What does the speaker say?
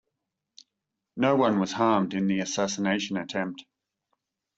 No one was harmed in the assassination attempt.